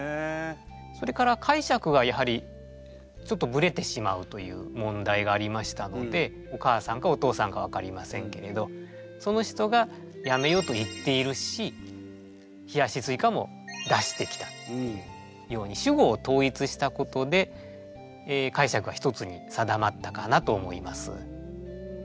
それから解釈がやはりちょっとぶれてしまうという問題がありましたのでお母さんかお父さんか分かりませんけれどその人が「やめよ」と言っているし「冷やしスイカ」も出してきたように主語を統一したことで解釈は一つに定まったかなと思います。